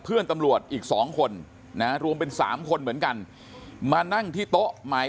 เพื่อนตำรวจอีก๒คนนะรวมเป็น๓คนเหมือนกันมานั่งที่โต๊ะหมาย